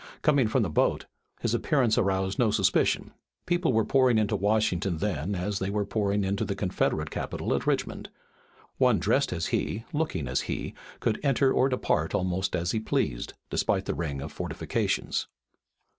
Coming from the boat, his appearance aroused no suspicion. People were pouring into Washington then as they were pouring into the Confederate capital at Richmond. One dressed as he, and looking as he, could enter or depart almost as he pleased, despite the ring of fortifications.